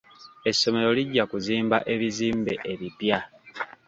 Essomero lijja kuzimba ebizimbe ebipya.